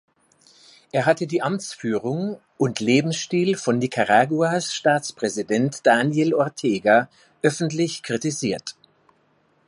Er hatte die Amtsführung und Lebensstil von Nicaraguas Staatspräsident Daniel Ortega öffentlich kritisiert.